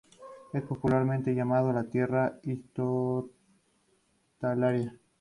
Es popularmente llamado "La tierra hospitalaria".